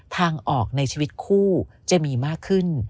ทางออกในชีวิตคู่จะมีมากขึ้น